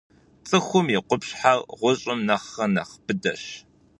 Цӏыхум и къупщхьэр гъущӀым нэхърэ нэхъ быдэщ.